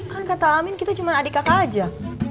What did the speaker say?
kan kata amin kita cuma adik kakak aja